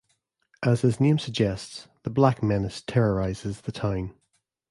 As his name suggests, the Black Menace terrorizes the town.